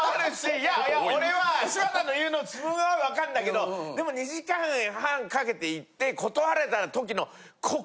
いやいや俺は柴田の言うのすごい分かるんだけどでも２時間半かけて行って断られた時の。